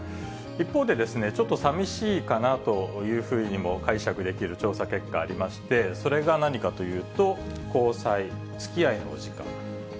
一方で、ちょっと寂しいかなというふうにも解釈できる調査結果、ありまして、それが何かというと、交際・つきあいの時間。